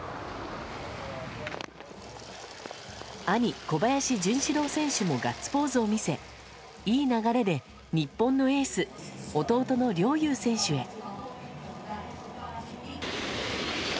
兄・小林潤志郎選手もガッツポーズを見せいい流れで日本のエース弟の陵侑選手へ。